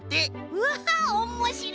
うわっおもしろい！